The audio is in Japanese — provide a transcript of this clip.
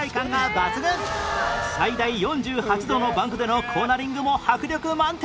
最大４８度のバンクでのコーナリングも迫力満点！